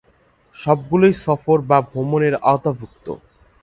সবগুলোই সফর বা ভ্রমণের আওতাভুক্ত।